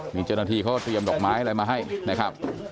มีเจ้าหน้าที่เขาเตรียมดอกไม้อะไรมาให้นะครับ